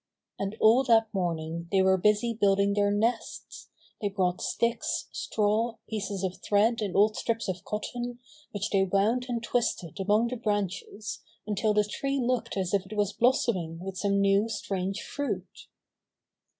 And all that morning they were busy build ing their nests! They brought sticks, straw, pieces of thread and old strips of cotton, which they wound and twisted among the branches until the tree looked as if it was blosioming with some new, strange fruit.